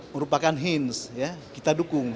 merupakan hints kita dukung